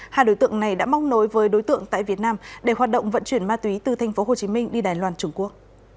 hai đối tượng này đã móc nối với đối tượng tại việt nam để hoạt động vận chuyển ma túy từ tp hcm đi đài loan trung quốc